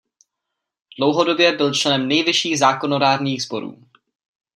Dlouhodobě byl členem nejvyšších zákonodárných sborů.